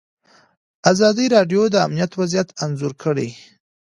ازادي راډیو د امنیت وضعیت انځور کړی.